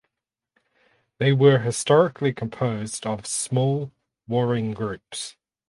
They were historically composed of small warring groups.